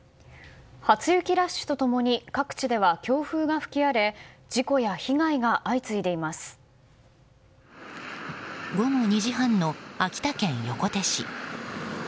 初雪ラッシュと共に各地では強風が吹き荒れ午後２時半の秋田県横手市。